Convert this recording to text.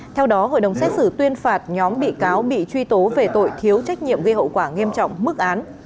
theo đó hội đồng xét xử tuyên phạt nhóm bị cáo bị truy tố về tội thiếu trách nhiệm gây hậu quả nghiêm trọng mức án